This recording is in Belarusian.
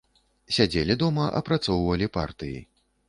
Сядзелі дома, апрацоўвалі партыі.